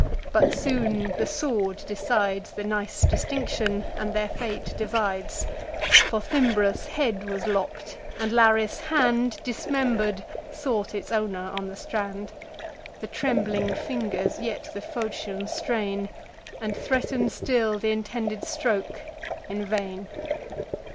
but soon the sword decides The nice distinction, and their fate divides: For Thymbrus' head was lopp'd; and Laris' hand, Dismember'd, sought its owner on the strand: The trembling fingers yet the falchion strain, And threaten still th' intended stroke in vain.